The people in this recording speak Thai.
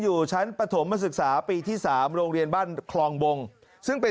อยู่ชั้นปฐมศึกษาปีที่๓โรงเรียนบ้านคลองบงซึ่งเป็น